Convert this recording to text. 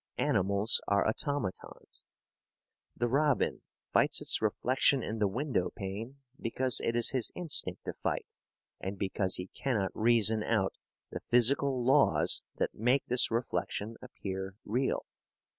Animals are automatons. The robin fights its reflection in the window pane because it is his instinct to fight and because he cannot reason out the physical laws that make this reflection appear real.